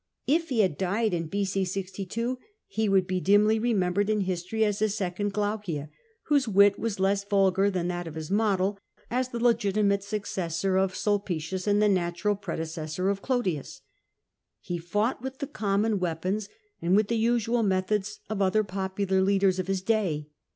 If he had died in b.c. 62, he would be dimly remembered in history as a second Glaucia, whose wit was less vulgar than' that of his model, as the legitimate successor of Sulpieius and the natural predecessor of Clodius. He fought with the common weapons and with the usual methods of other popular leaders of his day.